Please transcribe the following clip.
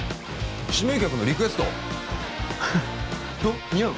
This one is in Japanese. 指名客のリクエストどう？